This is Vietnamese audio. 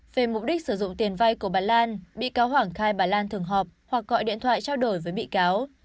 về mục đích sử dụng tiền vai của bà lan bị cáo hoàng khai bà lan thường họp hoặc gọi điện thoại trao đổi với bị cáo